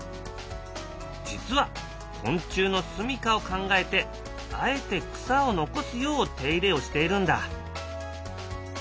実は昆虫のすみかを考えてあえて草を残すよう手入れをしているんだ。